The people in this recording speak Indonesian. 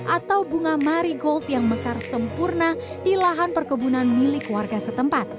atau bunga mari gold yang mekar sempurna di lahan perkebunan milik warga setempat